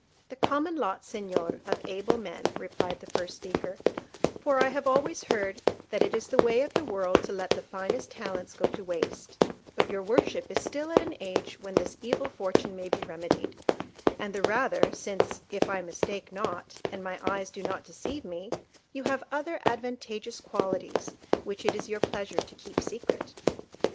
"The common lot, Señor, of able men," replied the first speaker, "for I have always heard that it is the way of the world to let the finest talents go to waste; but your worship is still at an age when this evil fortune may be remedied, and the rather since, if I mistake not, and my eyes do not deceive me, you have other advantageous qualities which it is your pleasure to keep secret."